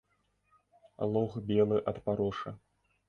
Лог белы ад парошы.